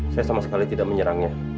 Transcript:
saya sama sekali tidak menyerangnya